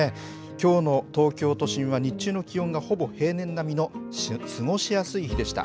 きょうの東京都心は日中の気温がほぼ平年並みの過ごしやすい日でした。